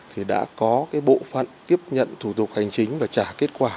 thì đã có cái bộ phận tiếp nhận thủ tục hành chính và trả kết quả